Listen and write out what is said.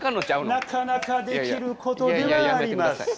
なかなかできることではありません。